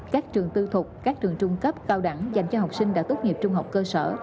các trường tư thuộc các trường trung cấp cao đẳng dành cho học sinh đã tốt nghiệp trung học cơ sở